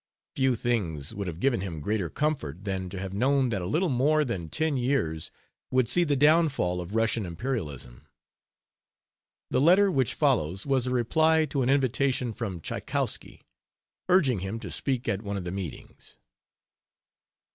Few things would have given him greater comfort than to have known that a little more than ten years would see the downfall of Russian imperialism. The letter which follows was a reply to an invitation from Tchaikowski, urging him to speak at one of the meetings.